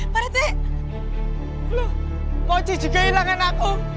waduh koci juga hilangin aku